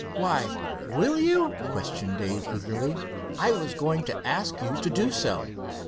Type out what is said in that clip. "Why, will you?" questioned Dave eagerly. "I was going to ask you to do so."